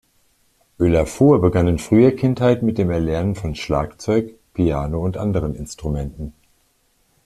Ólafur begann in früher Kindheit mit dem Erlernen von Schlagzeug, Piano und anderen Instrumenten.